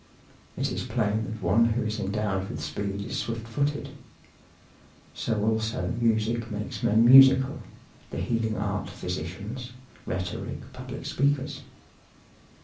It is plain that one who is endowed with speed is swift footed. So also music makes men musical, the healing art physicians, rhetoric public speakers.